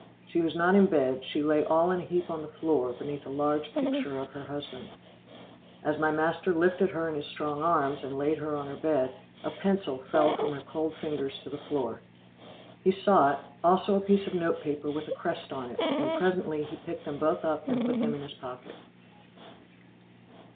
She was not in bed, she lay all in a heap on the floor, beneath a large picture of her husband. As my master lifted her in his strong arms, and laid her on her bed, a pencil fell from her cold fingers to the floor. He saw it, also a piece of notepaper with a crest on it, and presently he picked them both up and put them in his pocket.